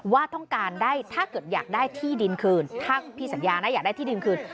ว่าถ้าอยากได้ที่ดินคืนถ้าพี่สัญญานะอยากได้ที่ดินคืน